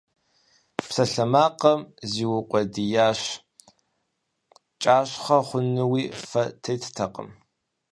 Псалъэмакъым зиукъуэдиящ, кӀащхъэ хъунуи фэ теттэкъым.